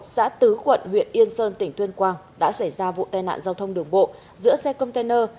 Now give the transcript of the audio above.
xã tứ quận huyện yên sơn tỉnh tuyên quang đã xảy ra vụ tai nạn giao thông đường bộ giữa xe container